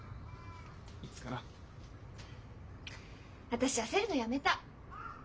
私焦るのやめた。